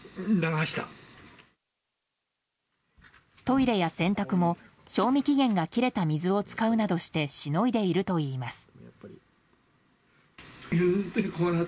トイレや洗濯も、賞味期限が切れた水を使うなどしてしのいでいるといいます。